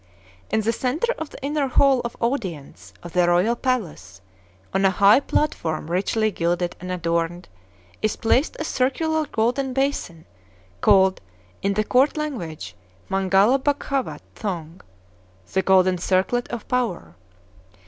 In the centre of the inner Hall of Audience of the royal palace, on a high platform richly gilded and adorned, is placed a circular golden basin, called, in the court language, Mangala Baghavat thong, "the Golden Circlet of Power."